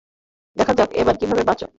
দেখা যাক এবার কীভাবে বাঁচো।